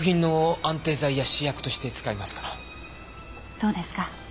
そうですか。